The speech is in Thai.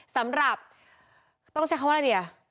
สำหรับต้องใช้คำว่าอะไรดีอ่ะ